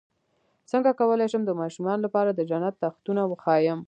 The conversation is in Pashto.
څنګه کولی شم د ماشومانو لپاره د جنت تختونه وښایم